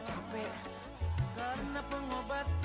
tapi emang gue capek